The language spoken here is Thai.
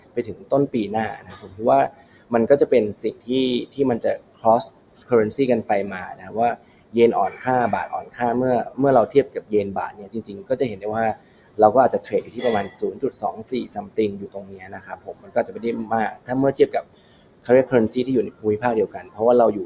ไปถึงต้นปีหน้านะครับผมคิดว่ามันก็จะเป็นสิทธิ์ที่ที่มันจะกันไปมานะครับว่าเย็นอ่อนค่าบาทอ่อนค่าเมื่อเมื่อเราเทียบกับเย็นบาทเนี้ยจริงจริงก็จะเห็นได้ว่าเราก็อาจจะเทรดอยู่ที่ประมาณศูนย์จุดสองสี่อยู่ตรงเนี้ยนะครับผมมันก็จะไม่ได้มากถ้าเมื่อเทียบกับที่อยู่ในภูมิภาคเดียวกันเพรา